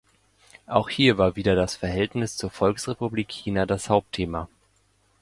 Auch hier war wieder das Verhältnis zur Volksrepublik China das Hauptthema.